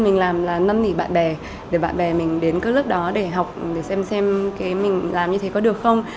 mình làm là nâm nỉ bạn bè để bạn bè mình đến các lớp đó để học để xem xem mình làm như thế có được không